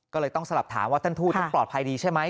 ก็เลยต้องสลับถามว่าท่านทูตท่านปลอดภัยดีใช่ไหม